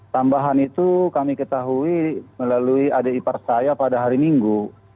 tambahan itu kami ketahui melalui adik ipar saya pada hari minggu